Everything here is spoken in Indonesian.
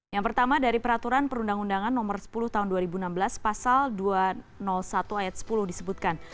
yang pertama dari peraturan perundang undangan nomor sepuluh tahun dua ribu enam belas pasal dua ratus satu ayat sepuluh disebutkan